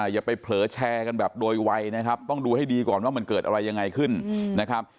อย่าไปเผลอแชร์กันแบบโดยไวนะครับต้องดูให้ดีก่อนว่ามันเกิดอะไรยังไงขึ้นนะครับ